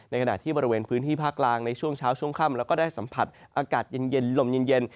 ขณะที่บริเวณพื้นที่ภาคกลางในช่วงเช้าช่วงค่ำแล้วก็ได้สัมผัสอากาศเย็นลมเย็น